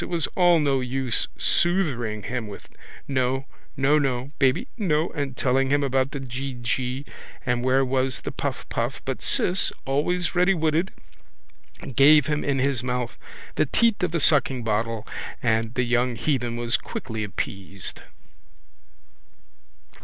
It was all no use soothering him with no, nono, baby, no and telling him about the geegee and where was the puffpuff but Ciss, always readywitted, gave him in his mouth the teat of the suckingbottle and the young heathen was quickly appeased.